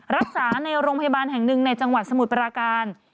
รักษาในโรงพยาบาลแห่งหนึ่งในจังหวัดสมุทรปราการ